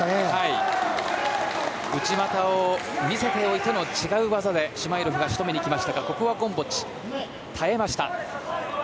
内股を見せておいて違う技でシュマイロフが仕留めにきましたがここはゴムボッチ、耐えました。